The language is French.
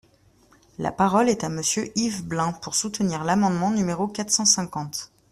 La parole est à Monsieur Yves Blein, pour soutenir l’amendement numéro quatre cent cinquante.